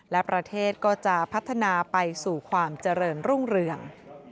และประเทศก็จะพัฒนาไปสู่ความเจริญรุ่งเรือง